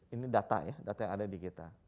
ini data ya data yang ada di kita